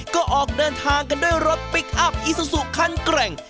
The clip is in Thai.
ก็ออกเดินทางกันด้วยรถปิ๊กอัพอิซุสุขั้นแกร่ง